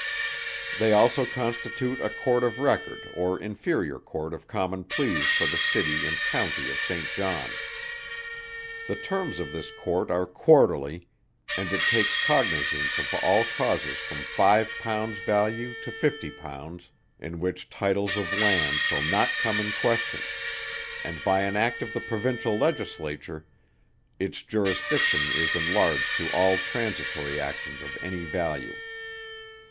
They also constitute a Court of Record or Inferior Court of Common Pleas for the City and County of St. John. The terms of this Court are quarterly, and it takes cognizance of all causes from five pounds value to fifty pounds, in which titles of land shall not come in question: and by an Act of the Provincial Legislature, its Jurisdiction is enlarged to all transitory actions of any value.